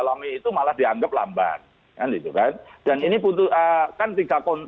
saya pada kesempatan hari ini